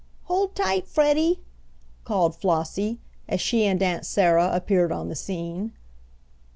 "Hold tight, Freddie!" called Flossie, as she and Aunt Sarah appeared on the scene.